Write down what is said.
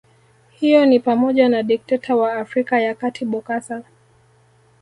Hiyo nipamoja na dikteta wa Afrika ya Kati Bokassa